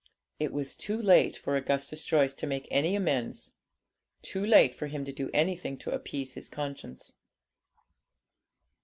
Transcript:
It was too late for Augustus Joyce to make any amends; too late for him to do anything to appease his conscience.